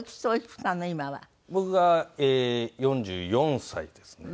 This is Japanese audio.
僕が４４歳ですね。